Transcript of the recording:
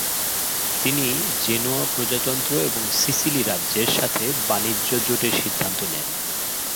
তিনি জেনোয়া প্রজাতন্ত্র এবং সিসিলি রাজ্যের সাথে বাণিজ্য জোটের সিদ্ধান্ত নেন।